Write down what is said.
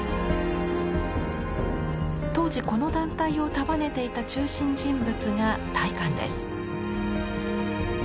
当時この団体を束ねていた中心人物が大観です。